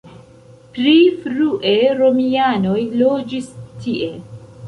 Pri frue romianoj loĝis tie.